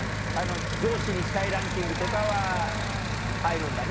上司にしたいランキングとかは入るんだね